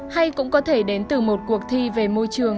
hay cũng có thể đến từ một cuộc thi về bảo vệ môi trường